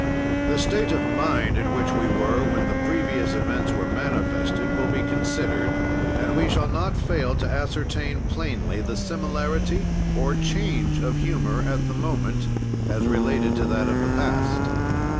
"The state of mind in which we were when the previous events were manifested will be considered, and we shall not fail to ascertain plainly the similarity or change of humor at the moment as related to that of the past.